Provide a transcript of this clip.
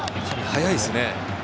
早いですね。